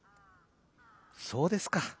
「そうですか。